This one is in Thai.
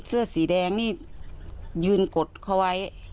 เสื้อสีแดงนี่ยืนกดเขาไว้